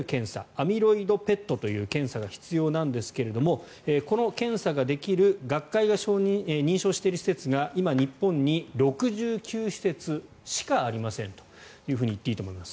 アミロイドＰＥＴという検査が必要なんですがこの検査ができる学会が認証している施設が今、日本に６９施設しかありませんと言っていいと思います。